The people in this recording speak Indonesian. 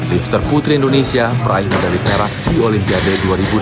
lifter putri indonesia praing medali perak di olimpiade dua ribu enam belas